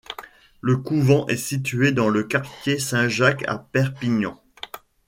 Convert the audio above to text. Le couvent est situé dans le quartier Saint-Jacques à Perpignan.